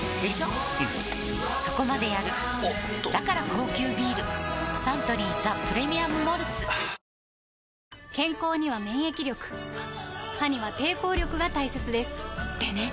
うんそこまでやるおっとだから高級ビールサントリー「ザ・プレミアム・モルツ」はぁー健康には免疫力歯には抵抗力が大切ですでね．．．